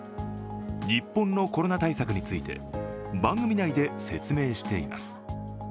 日本のコロナ対策について番組内で説明しています。